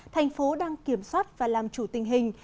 thành phố đang kiểm soát và làm chủ tình hình